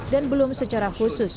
dan belum secara khusus